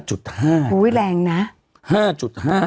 อุ้ยแรงนะ